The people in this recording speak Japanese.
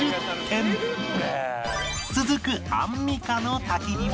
続くアンミカの焚き火は